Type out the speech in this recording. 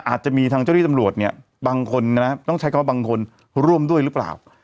อาจจะมีทางเจ้าที่ตำรวจเนี่ยบางคนนะต้องใช้คำว่าบางคนร่วมด้วยหรือเปล่า